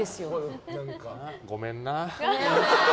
ごめんな。